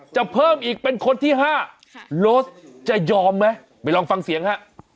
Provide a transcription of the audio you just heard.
เพิ่มอีกเป็นคนที่๕โรสจะยอมไหมไปลองฟังเสียงฮะ